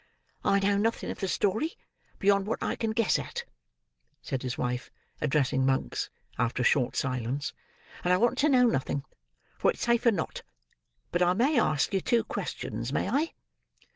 "I know nothing of the story, beyond what I can guess at," said his wife addressing Monks, after a short silence; "and I want to know nothing; for it's safer not. But I may ask you two questions, may I?"